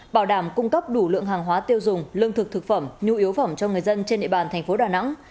bảo đảm cung cấp đủ lượng hàng hóa tiêu dùng lương thực thực phẩm nhu yếu phẩm cho người dân trên địa bàn thành phố đà nẵng